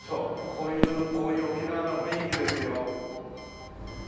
こういうこういう沖縄の雰囲気ですよ。